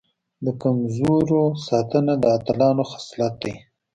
د کمزورو ساتنه د اتلانو خصلت دی.